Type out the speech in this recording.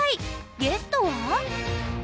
ゲストは。